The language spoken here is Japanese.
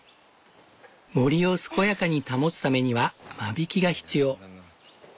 森を健やかに保つためには間引きが必要。